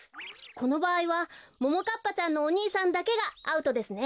このばあいはももかっぱちゃんのお兄さんだけがアウトですね。